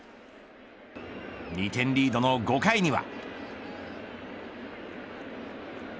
２点リードの５回には。